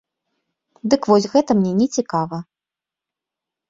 Дык вось гэта мне не цікава.